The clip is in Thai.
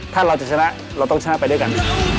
ถ้าเราจะชนะเราต้องชนะไปด้วยกัน